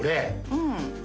うん。